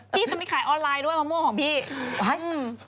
พี่ก็ไม่ขายออนไลน์ด้วยมะม่วงของพี่